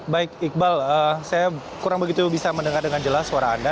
baik iqbal saya kurang begitu bisa mendengar dengan jelas suara anda